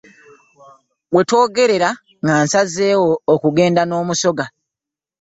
We twogerera nga nsazeewo okugenda n'omusoga.